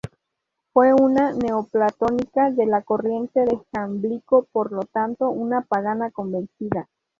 Fue una neoplatónica de la corriente de Jámblico, por lo tanto, una pagana convencida.